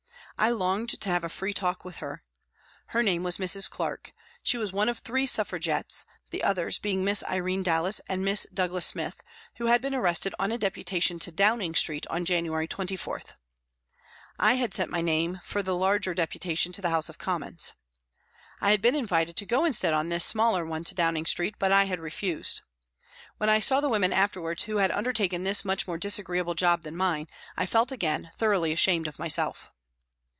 I longed to have a free talk with her. Her name was Mrs. Clarke ; she was one of three Suffragettes, the others being Miss Irene Dallas and Miss Douglas Smith, who had been arrested on a deputation to Downing Street on January 24. I had sent in my name for the larger deputation to the House of Commons. I had been invited to go instead on this smaller one to Downing Street, but I had refused. When I saw the women afterwards who had undertaken this much more disagreeable job than mine, I felt again thoroughly ashamed of myself.